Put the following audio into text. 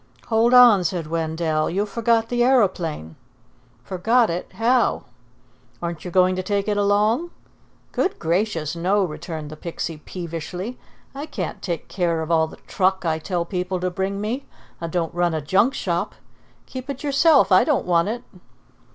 "Hold on," said Wendell. "You forgot the aeroplane." "Forgot it? How?" "Aren't you going to take it along?" "Good gracious, no," returned the Pixie peevishly. "I can't take care of all the truck I tell people to bring me. I don't run a junk shop. Keep it yourself. I don't want it."